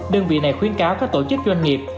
đơn vị này khuyến cáo các tổ chức doanh nghiệp